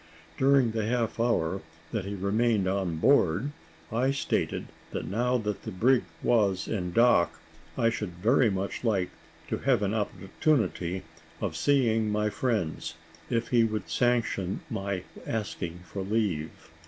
During the half hour that he remained on board, I stated that now that the brig was in dock, I should like very much to have an opportunity of seeing my friends, if he would sanction my asking for leave.